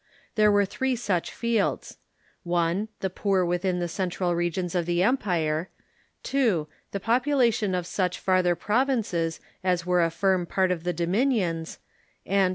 Ihere were three such fields: 1. The poor within the central regions of the empire; 2. The population of such farther provinces as were a firm part of the dominions ; and, 3.